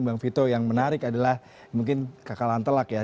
bang vito yang menarik adalah mungkin kekalahan telak ya